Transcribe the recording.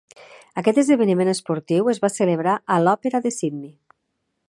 Aquest esdeveniment esportiu es va celebrar a l'Òpera de Sydney.